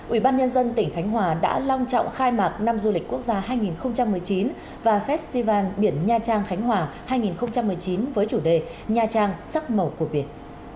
ủy ban nhân dân tỉnh khánh hòa đã long trọng khai mạc năm du lịch quốc gia hai nghìn một mươi chín và festival biển nha trang khánh hòa hai nghìn một mươi chín với chủ đề nha trang sắc màu của biển